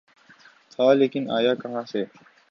تھا‘ لیکن آیا کہاں سے؟